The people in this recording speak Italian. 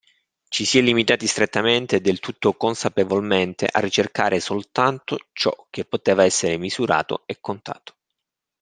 Ci si è limitati strettamente e del tutto consapevolmente a ricercare soltanto ciò che poteva essere misurato e contato.